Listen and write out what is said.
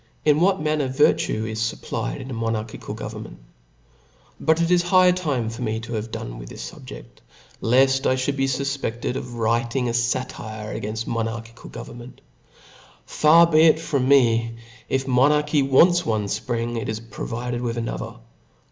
In what manner Virtue isjupplied in a monarchic cal Government* BUT it is high time for me to have done with this fubjedt, left I Ihould be fufpeded of writing a fatire againft monarchical govern ment. Far be it from me ; if monarchy wants one fpring, it is provided with another.